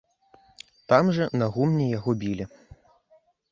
Там жа на гумне яго білі.